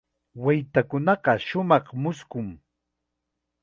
Waykunaqa shumaq mushkun.